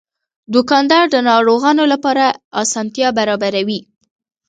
دوکاندار د ناروغانو لپاره اسانتیا برابروي.